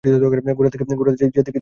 ঘোড়া যে দিকে ইচ্ছা ছুটিতে লাগিল।